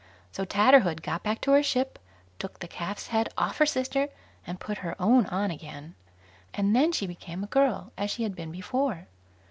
So Tatterhood got back to her ship, took the calf's head off her sister, and put her own on again, and then she became a girl as she had been before.